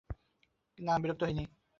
না, বিরক্ত হইনি।